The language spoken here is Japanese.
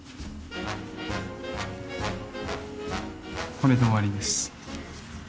これで終わりです。